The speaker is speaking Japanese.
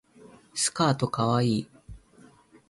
スカートかわいい